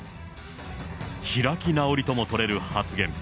開き直りとも取れる発言。